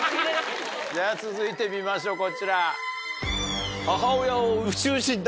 じゃ続いて見ましょうこちら。